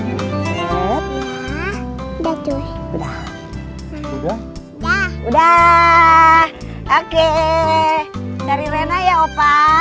udah oke dari rena ya opa opa